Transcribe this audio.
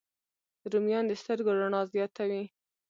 رومیان د سترګو رڼا زیاتوي